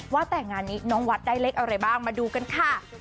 ว่าแต่งานนี้น้องวัดได้เลขอะไรบ้างมาดูกันค่ะ